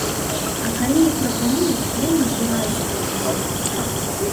А калі і прапануюць, я не збіраюся падпісваць.